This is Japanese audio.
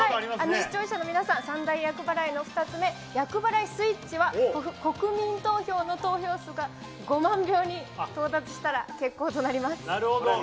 視聴者の皆さん、三大厄払いの２つ目、厄払いスイッチは、国民投票の投票数が５万票に到達したら決行となります。